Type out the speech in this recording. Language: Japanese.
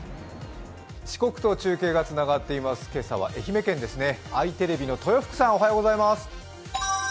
四国と中継がつながっています、今朝は愛媛県ですね、あいテレビの豊福さん。